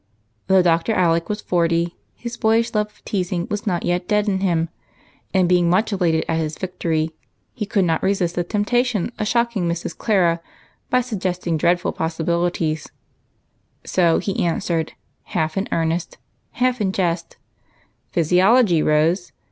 Though Dr. Alec was forty, the boyish love of teasing was not yet dead in him, and, being much elated at his victory, he could not resist the temptation of shocking Mrs. Clara by suggesting dreadful possibilities, so he answered, half in earnest half in jest :" Physiology, Rose.